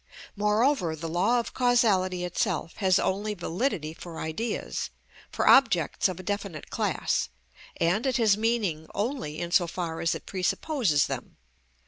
Moreover, the law of causality itself has only validity for ideas, for objects of a definite class, and it has meaning only in so far as it presupposes them.